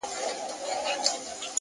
هره پوښتنه د پوهېدو دروازه ده!